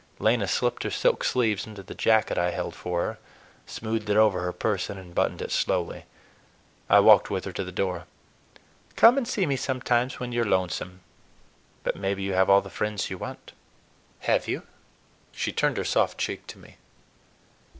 Lena slipped her silk sleeves into the jacket I held for her, smoothed it over her person, and buttoned it slowly. I walked with her to the door. "Come and see me sometimes when you're lonesome. But maybe you have all the friends you want. Have you?" She turned her soft cheek to me.